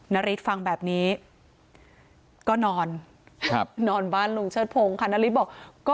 นาริสฟังแบบนี้ก็นอนนอนบ้านลุงเชิดพงศ์ค่ะนาริสบอกก็